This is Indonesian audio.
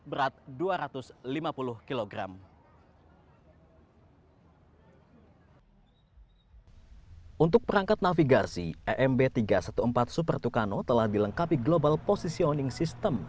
e mb tiga ratus empat belas super tucano telah dilengkapi global positioning system